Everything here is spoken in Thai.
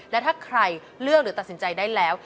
และถ้าใครเลือกหรือตัดสินใจได้แล้ว